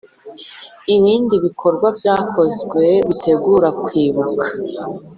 Ibindi bikorwa byakozwe bitegura kwibuka